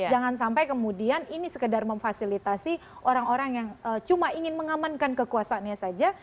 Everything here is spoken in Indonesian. jangan sampai kemudian ini sekedar memfasilitasi orang orang yang cuma ingin mengamankan kekuasaannya saja